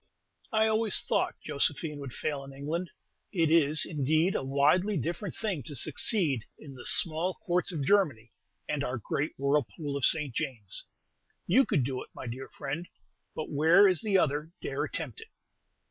I always thought Josephine would fail in England. It is, indeed, a widely different thing to succeed in the small Courts of Germany, and our great whirlpool of St. James. You could do it, my dear friend; but where is the other dare attempt it?